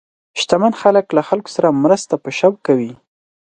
شتمن خلک له خلکو سره مرسته په شوق کوي.